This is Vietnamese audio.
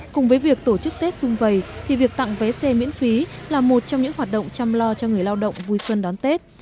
cùng với việc tổ chức tết xung vầy thì việc tặng vé xe miễn phí là một trong những hoạt động chăm lo cho người lao động vui xuân đón tết